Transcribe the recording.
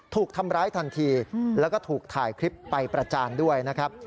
ถูกทำร้ายทันทีแล้วก็ถูกถ่ายคลิปไปประจานด้วยนะครับ